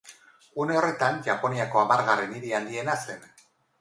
Une horretan Japoniako hamargarren hiri handiena zen.